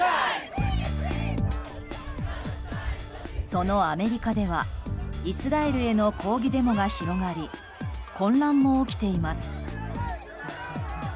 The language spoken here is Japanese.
そのアメリカではイスラエルへの抗議デモが広がり混乱も起きています。